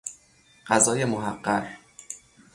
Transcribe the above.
غذای محقر